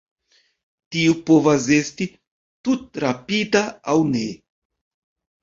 Tio povas esti tutrapida, aŭ ne.